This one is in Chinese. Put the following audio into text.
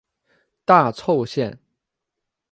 大凑线。